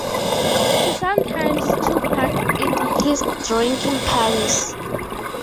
She sometimes took part in his drinking parties.